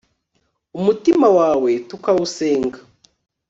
umutima wawe tukawusenga